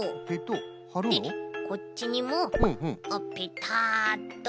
はるの？でこっちにもペタッと。